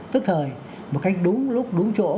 tức thời một cách đúng lúc đúng chỗ